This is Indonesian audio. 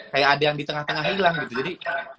kayak ada yang di tengah tengah hilang gitu jadi